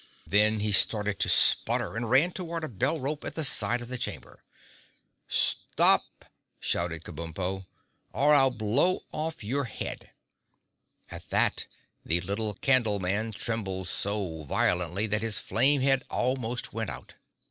Then he started to sputter and ran toward a bell rope at the side of the chamber. "Stop!" shouted Kabumpo, "or I'll blow off your head!" At that the little Candleman trembled so violently that his flame head almost went out.